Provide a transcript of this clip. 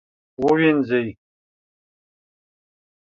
ووینځئ